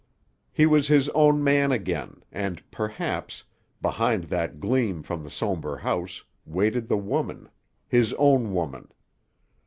He was his own man again, and, perhaps, behind that gleam from the somber house, waited the woman—his own woman.